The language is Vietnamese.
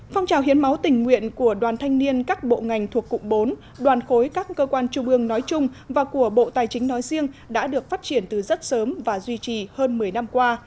phong trào hiến máu tình nguyện của đoàn thanh niên các bộ ngành thuộc cụm bốn đoàn khối các cơ quan trung ương nói chung và của bộ tài chính nói riêng đã được phát triển từ rất sớm và duy trì hơn một mươi năm qua